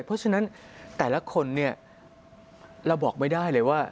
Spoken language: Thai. เพราะฉะนั้นแต่ละคนเนี่ยเราบอกไม่ได้เลยว่า